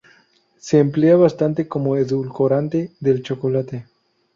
Se emplea bastante como edulcorante del chocolate.